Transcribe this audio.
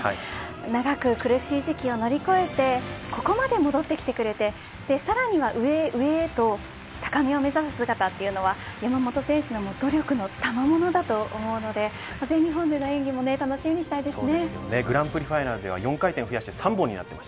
長く苦しい時期を乗り越えてここまで戻ってきてくれてさらには上へ上へと高みを目指す姿というのは山本選手の努力のたまものだと思うので全日本での演技も楽しみにしたいですね。